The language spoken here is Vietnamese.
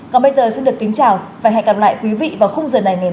còn bây giờ xin được kính chào và hẹn gặp lại quý vị vào khung giờ này ngày mai